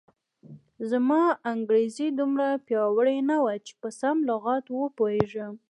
زما انګریزي دومره پیاوړې نه وه چې په سم لغت و پوهېږم.